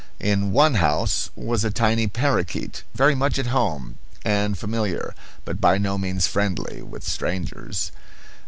In one house was a tiny parakeet, very much at home, and familiar, but by no means friendly, with strangers.